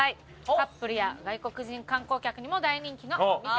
カップルや外国人観光客にも大人気のお店です。